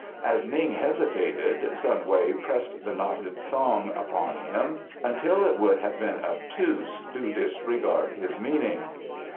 As Ning hesitated, Sun Wei pressed the knotted thong upon him until it would have been obtuse to disregard his meaning.